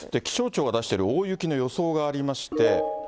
気象庁が出してる大雪の予想がありまして。